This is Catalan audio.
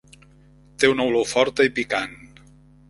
Té una olor forta i picant.